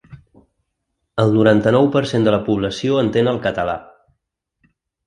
El noranta-nou per cent de la població entén el català.